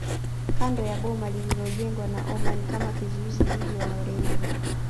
Kando ya boma lililojengwa na Omani kama kizuizi dhidi ya Wareno